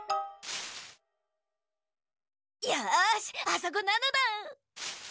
よしあそこなのだ。